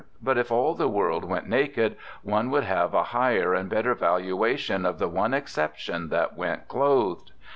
But, if all the world went naked, one would have a higher and better valuation of the one exception that went clothed.